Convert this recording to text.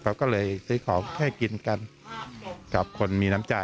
เขาก็เลยซื้อของให้กินกันกับคนมีน้ำใจ